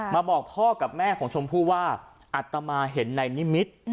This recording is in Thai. บอกพ่อกับแม่ของชมพู่ว่าอัตมาเห็นในนิมิตร